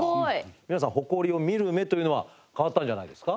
皆さんホコリを見る目というのは変わったんじゃないですか？